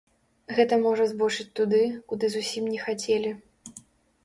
Гэта можа збочыць туды, куды зусім не хацелі.